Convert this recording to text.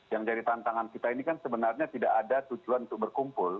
yang jadi tantangan kita ini kan sebenarnya tidak ada tujuan untuk berkumpul